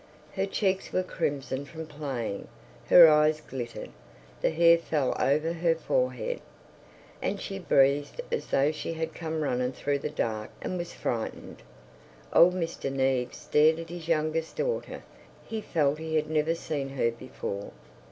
Her cheeks were crimson from playing, her eyes glittered, the hair fell over her forehead. And she breathed as though she had come running through the dark and was frightened. Old Mr. Neave stared at his youngest daughter; he felt he had never seen her before.